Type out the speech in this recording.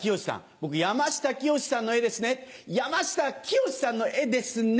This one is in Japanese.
僕「山下清さんの絵ですね山下清さんの絵ですね」